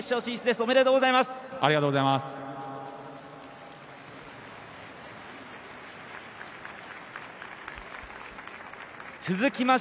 ありがとうございます。